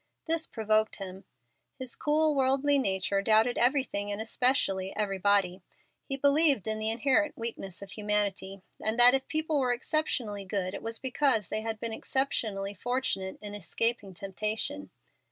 This provoked him. His cool, worldly nature doubted everything and especially everybody. He believed in the inherent weakness of humanity, and that if people were exceptionally good it was because they had been exceptionally fortunate in escaping temptation.